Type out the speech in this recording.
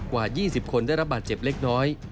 กว่า๒๐คนได้รับบาดเจ็บเล็กน้อย